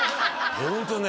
ホントにね